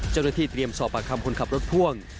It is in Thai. เจ้าหน้าที่เตรียมสอบปากคำคนขับรถพ่วง